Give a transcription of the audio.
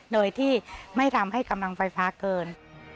โดยที่ไม่ทำให้กำลังไฟฟ้าเกิน